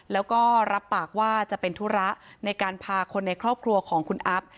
แล้วก็รับปากว่าจะเป็นธุระในการพาคนในครอบครัวของคุณอัพ